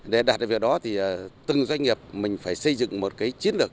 để đạt được việc đó từng doanh nghiệp phải xây dựng một chiến lược